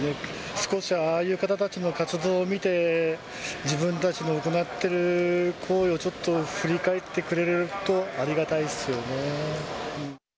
少しはああいう方たちの活動を見て、自分たちの行ってる行為を、ちょっと振り返ってくれるとありがたいですよね。